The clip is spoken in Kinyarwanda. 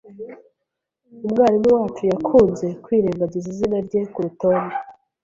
Umwarimu wacu yakunze kwirengagiza izina rye kurutonde.